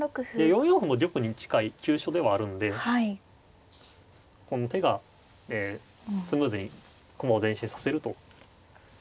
４四歩も玉に近い急所ではあるんでこの手がスムーズに駒を前進させるということですね。